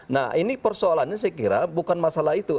nah ini persoalannya saya kira bukan masalah itu